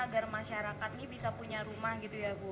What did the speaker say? agar masyarakat ini bisa punya rumah